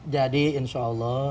jadi insya allah